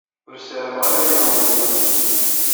Ur ssarameɣ ara aya i wiyad.